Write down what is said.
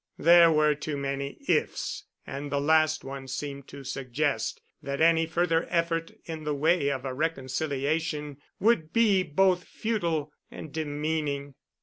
There were too many "ifs," and the last one seemed to suggest that any further effort in the way of a reconciliation would be both futile and demeaning.